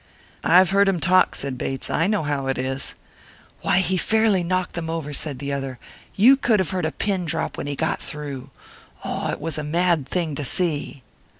"I've heard him talk," said Bates. "I know how it is." "Why, he fairly knocked them over!" said the other. "You could have heard a pin drop when he got through. Oh, it was a mad thing to see!"